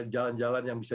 jalan jalan yang bisa